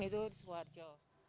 itu di sukoarjo